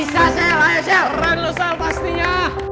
keren lo shell pastinya